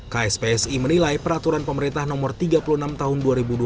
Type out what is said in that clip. kspsi menilai peraturan pemerintah nomor tiga puluh enam tahun dua ribu dua puluh